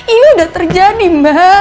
ini udah terjadi mbak